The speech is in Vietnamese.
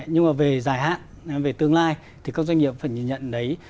nhưng mà về dài hạn về tương lai thì các doanh nghiệp phải nhìn nhận đấy